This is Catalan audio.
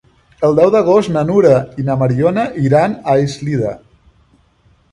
El deu d'agost na Nura i na Mariona iran a Eslida.